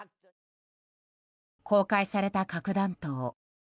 公開された核弾頭。